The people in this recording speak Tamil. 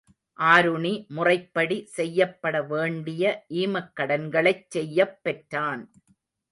ஆருணி முறைப்படி செய்யப்பட வேண்டிய ஈமக்கடன்களைச் செய்யப் பெற்றான்.